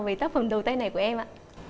về tác phẩm đầu tay này của em ạ